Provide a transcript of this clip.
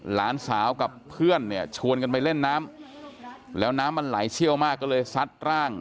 หลานสาวกับเพื่อนเนี่ยชวนกันไปเล่นน้ำแล้วน้ำมันไหลเชี่ยวมากก็เลยซัดร่าง